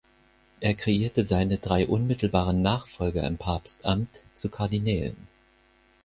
Er kreierte seine drei unmittelbaren Nachfolger im Papstamt zu Kardinälen.